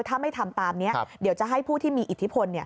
ถ้าไม่ทำตามนี้เดี๋ยวจะให้ผู้ที่มีอิทธิพล